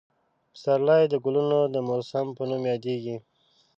پسرلی د ګلونو د موسم په نوم یادېږي.